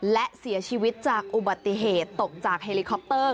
และเสียชีวิตจากอุบัติเหตุตกจากเฮลิคอปเตอร์